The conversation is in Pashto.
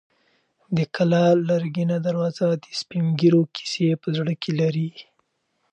د کلا لرګینه دروازه د سپین ږیرو کیسې په زړه کې لري.